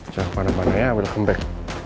jangan kemana mana ya i will come back